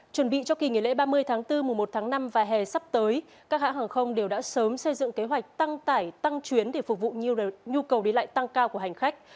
chuẩn bị cho kỳ nghỉ lễ ba mươi tháng bốn mùa một tháng năm và hè sắp tới các hãng hàng không đều đã sớm xây dựng kế hoạch tăng tải tăng chuyến để phục vụ nhu cầu đi lại tăng cao của hành khách